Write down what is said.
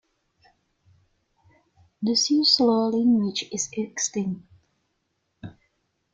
The Siuslaw language is extinct.